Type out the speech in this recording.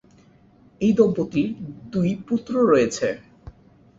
এই দম্পতির দুই পুত্র রয়েছে।